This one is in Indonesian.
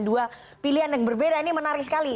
dua pilihan yang berbeda ini menarik sekali